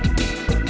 terima kasih bang